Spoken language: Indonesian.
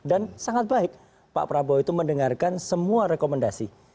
dan sangat baik pak prabowo itu mendengarkan semua rekomendasi